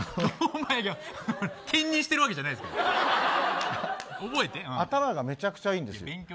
兼任してるわけじゃないですから頭がめちゃくちゃいいんです。